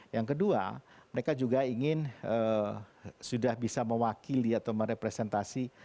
yang kedua mereka juga ingin sudah bisa mewakili atau merepresentasi